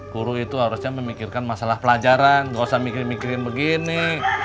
guru itu harusnya memikirkan masalah pelajaran gak usah mikir mikirin begini